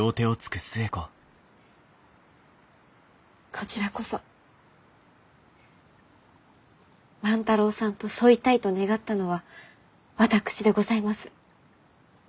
こちらこそ万太郎さんと添いたいと願ったのは私でございます。